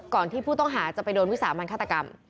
ที่ผู้ต้องหาจะไปโดนวิสามันฆาตกรรม